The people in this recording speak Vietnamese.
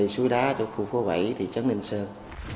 suối đá thuộc khu phố bảy thị trấn ninh sơn